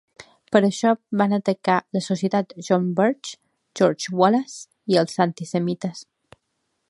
Per això, van atacar la Societat John Birch, George Wallace i els antisemites.